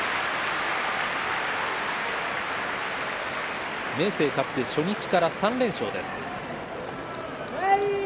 拍手明生勝って初日から３連勝です。